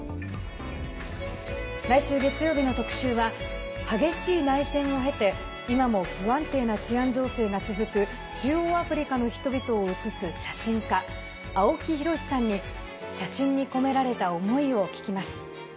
来週月曜日の特集は激しい内戦を経て今も不安定な治安情勢が続く中央アフリカの人々を写す写真家青木弘さんに写真に込められた思いを聞きます。